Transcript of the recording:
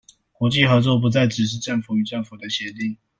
國際合作不再只是政府與政府的協定